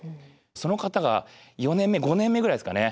その方が４年目５年目ぐらいですかね